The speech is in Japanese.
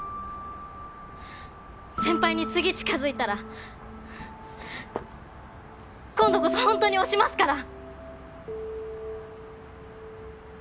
先輩に次近づいたら今度こそホントに押しますから。